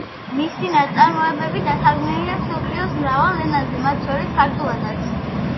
მისი ნაწარმოებები თარგმნილია მსოფლიოს მრავალ ენაზე, მათ შორის ქართულადაც.